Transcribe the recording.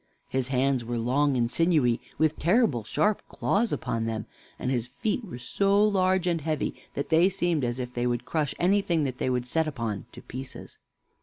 His hands were long and sinewy, with terrible sharp claws upon them; and his feet were so large and heavy that they seemed as if they would crush anything they would set upon to pieces.